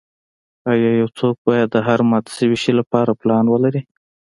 ایا یو څوک باید د هر مات شوي شی لپاره پلان ولري